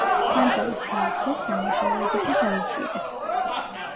ხანძარი ჩააქრეს, დამნაშავეები კი დაიჭირეს.